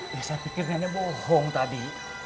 saya pikir nenek bohong tadi